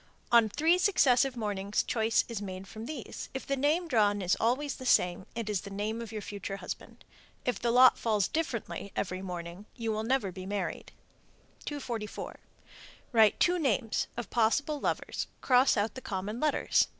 On three successive mornings choice is made from these. If the name drawn is always the same, it is the name of your future husband. If the lot falls differently every morning, you will never be married. 244. Write two names (of possible lovers), cross out the common letters.